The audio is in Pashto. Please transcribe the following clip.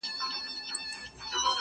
پیرمحمد په ملغلرو بار کاروان دی-